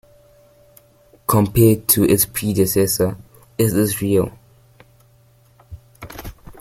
Compared to its predecessor, Is This Real?